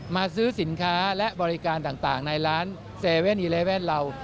ซื้อสินค้าและบริการต่างในร้าน๗๑๑เรา